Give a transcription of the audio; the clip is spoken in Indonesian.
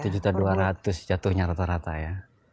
satu juta dua ratus jatuhnya rata rata ya